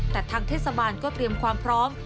แต่ทางเทศบาลก็เตรียมความพร้อม